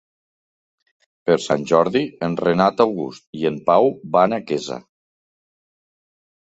Per Sant Jordi en Renat August i en Pau van a Quesa.